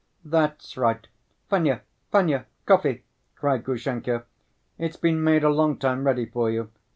"That's right. Fenya, Fenya, coffee," cried Grushenka. "It's been made a long time ready for you.